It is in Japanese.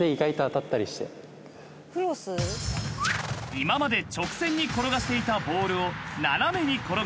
［今まで直線に転がしていたボールを斜めに転がす作戦に］